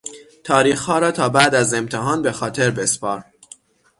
تاریخها را تا بعد از امتحان به خاطر بسپار.